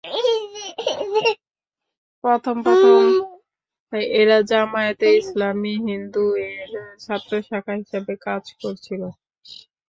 প্রথম প্রথম এরা জামায়াতে ইসলামি হিন্দ-এর ছাত্র শাখা হিসেবে কাজ করছিল।